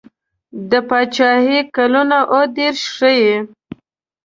د پاچهي کلونه اووه دېرش ښيي.